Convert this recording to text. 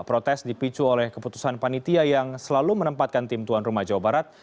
protes dipicu oleh keputusan panitia yang selalu menempatkan tim tuan rumah jawa barat